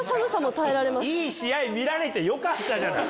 いい試合見られてよかったじゃない！